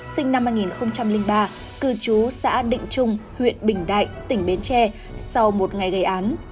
sinh năm hai nghìn ba cư trú xã định trung huyện bình đại tỉnh bến tre sau một ngày gây án